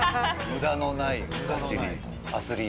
無駄のない走り。